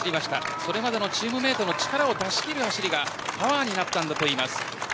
それまでもチームメートの力を出し切る走りがパワーになったといいます。